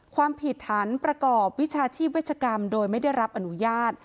ความผิดฐานประกอบวิชาชีพเวชกรรมโดยไม่ได้รับอนุญาต